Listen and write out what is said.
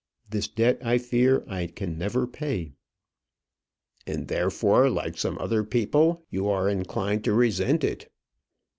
This debt I fear I can never pay." "And therefore, like some other people, you are inclined to resent it."